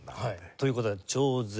という事は超絶が。